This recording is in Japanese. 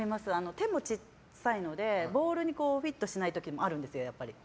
手も小さいのでボールにフィットしない時もある。